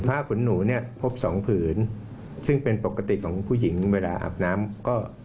ขุนหนูเนี่ยพบสองผืนซึ่งเป็นปกติของผู้หญิงเวลาอาบน้ำก็